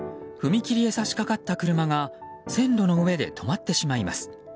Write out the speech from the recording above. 踏切へ差し掛かった車が線路の上で止まってしまいます。